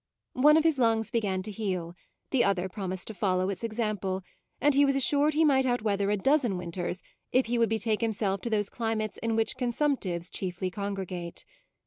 One of his lungs began to heal, the other promised to follow its example, and he was assured he might outweather a dozen winters if he would betake himself to those climates in which consumptives chiefly congregate.